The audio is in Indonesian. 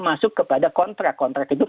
masuk kepada kontrak kontrak itu